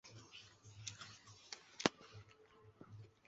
江国为殷商至春秋时期华夏在河南一带建立的一个诸侯国。